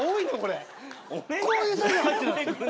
こういう作業入ってる。